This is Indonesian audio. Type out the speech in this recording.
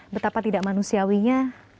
betapa tidak manusiawinya